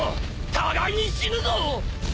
互いに死ぬぞ！